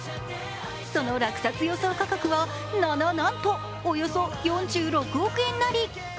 その落札予想価格はな、なんとおよそ４６億円なり。